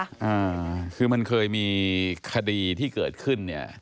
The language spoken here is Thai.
อ่าคือมันเคยมีคดีที่เกิดขึ้นเนี่ย